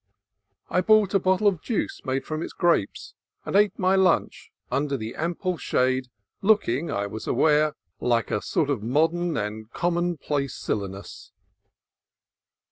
I bought a bottle of juice made from its grapes, and ate my lunch under the ample shade, looking, I was aware, like a sort of modern and commonplace Silenus.